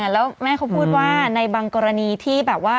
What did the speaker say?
แล้วแม่เขาพูดว่าในบางกรณีที่แบบว่า